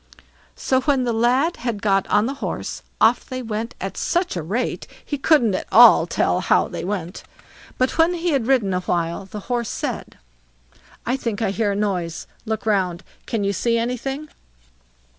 So when the lad had got on the horse, off they went at such a rate, he couldn't at all tell how they went. But when he had ridden awhile, the Horse said, "I think I hear a noise; look round! can you see anything?"